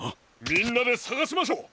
みんなでさがしましょう！